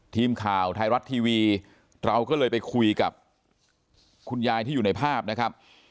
ทีมข่าวไทยรัฐทีวีเราก็เลยไปคุยกับคุณยายที่อยู่ในภาพนะครับ